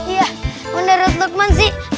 iya menurut lukman sih